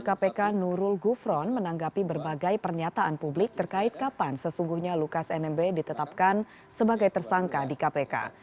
kpk nurul gufron menanggapi berbagai pernyataan publik terkait kapan sesungguhnya lukas nmb ditetapkan sebagai tersangka di kpk